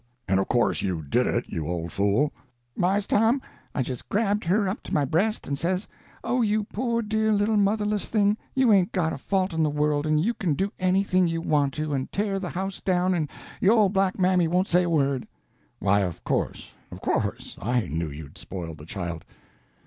"And of course you did it, you old fool?" "Marse Tom, I just grabbed her up to my breast and says, 'Oh, you po' dear little motherless thing, you ain't got a fault in the world, and you can do anything you want to, and tear the house down, and yo' old black mammy won't say a word!'" "Why, of course, of course—I knew you'd spoil the child."